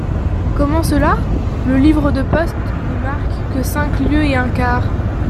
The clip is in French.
Comment cela ? le livre de poste ne marque que cinq lieues et un quart.